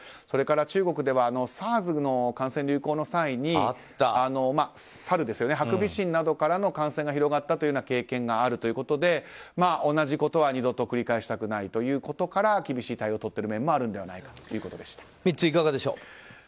それから中国ではＳＡＲＳの感染流行の際にハクビシンなどからの感染が広がったという経験があるということで同じことは二度と繰り返したくないということから厳しい対応をとっている面もあるのではないかミッツ、いかがでしょう。